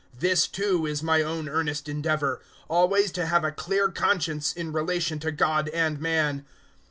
024:016 This too is my own earnest endeavour always to have a clear conscience in relation to God and man.